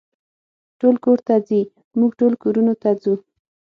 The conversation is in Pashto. ټول کور ته ځي، موږ ټول کورونو ته ځو.